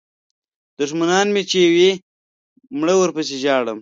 دوښمنان مې چې وي مړه ورپسې ژاړم.